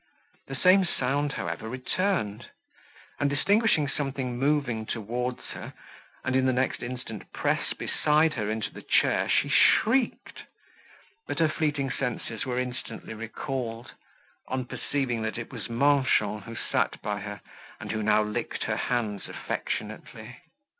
The same sound, however, returned; and, distinguishing something moving towards her, and in the next instant press beside her into the chair, she shrieked; but her fleeting senses were instantly recalled, on perceiving that it was Manchon who sat by her, and who now licked her hands affectionately.